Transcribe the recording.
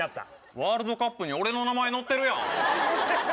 ワールドカップに俺の名前載ってるやん。